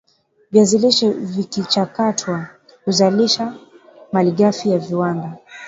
viazi lishe vikichakatwa huzalisha malighafi ya viwanda